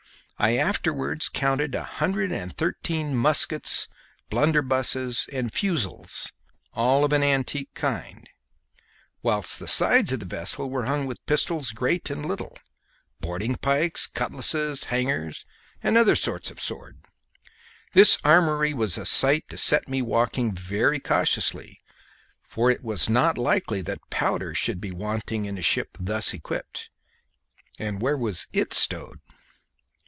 I afterwards counted a hundred and thirteen muskets, blunderbusses, and fusils, all of an antique kind, whilst the sides of the vessel were hung with pistols great and little, boarding pikes, cutlasses, hangers, and other sorts of sword. This armoury was a sight to set me walking very cautiously, for it was not likely that powder should be wanting in a ship thus equipped; and where was it stowed?